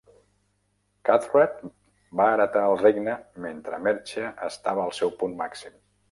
Cuthred va heretar el regne mentre Mercia estava al seu punt màxim.